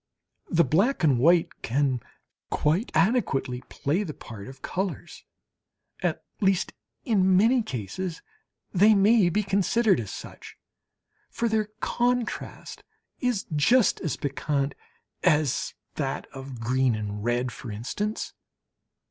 The black and the white can quite adequately play the part of colours (at least, in many cases they may be considered as such), for their contrast is just as piquant as that of green and red, for instance.